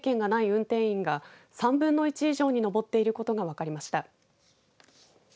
運転員が３分の１以上に上っていることが分かりました。